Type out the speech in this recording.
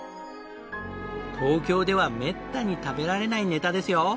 東京ではめったに食べられないネタですよ。